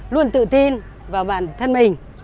luôn tự tin vào bản thân mình